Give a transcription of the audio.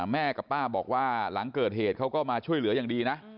แม่กับป้าบอกว่าหลังเกิดเหตุเขาก็มาช่วยเหลืออย่างดีนะ